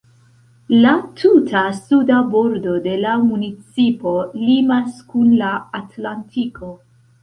La tuta suda bordo de la municipo limas kun la Atlantiko.